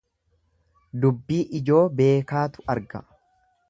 Dubbii ijoo beekaatu arga.